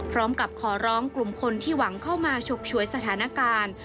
พร้อมกับขอร้องกลุ่มคนที่หวังเข้ามาฉุกฉวยสถานการณ์